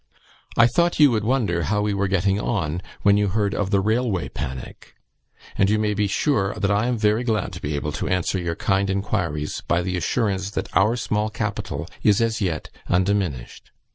I thought you would wonder how we were getting on, when you heard of the railway panic; and you may be sure that I am very glad to be able to answer your kind inquiries by the assurance that our small capital is as yet undiminished.